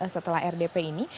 setelah rdp ini